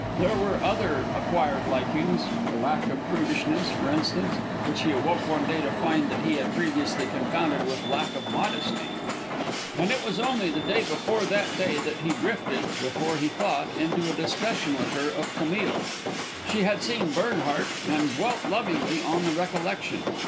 There were other acquired likings, her lack of prudishness, for instance, which he awoke one day to find that he had previously confounded with lack of modesty. And it was only the day before that day that he drifted, before he thought, into a discussion with her of "Camille." She had seen Bernhardt, and dwelt lovingly on the recollection.